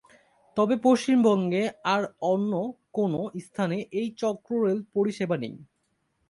তবে, পশ্চিমবঙ্গের আর অন্য কোনও স্থানে এই চক্র রেল পরিষেবা নেই।